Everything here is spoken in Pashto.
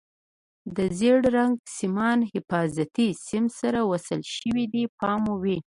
د زیړ رنګ سیمان حفاظتي سیم سره وصل شوي دي پام مو وي.